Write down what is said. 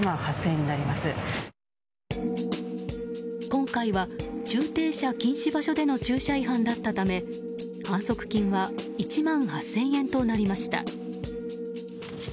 今回は駐停車禁止の場所での駐車違反だったため反則金は１万８０００円となりました。